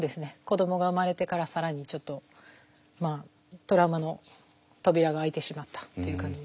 子どもが生まれてから更にちょっとトラウマの扉が開いてしまったっていう感じですね。